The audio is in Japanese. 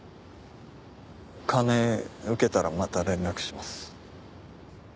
金受けたらまた連絡します。